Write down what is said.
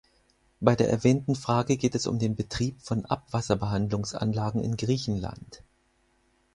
Bei der erwähnten Frage geht es um den Betrieb von Abwasserbehandlungsanlagen in Griechenland.